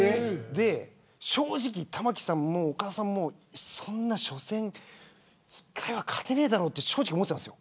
正直、玉木さんも岡田さんもそんな初戦１回は勝てないだろうと思ってたんです。